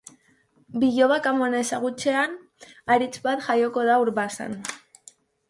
Bilobak amona ezagutzean haritz bat jaioko da Urbasan.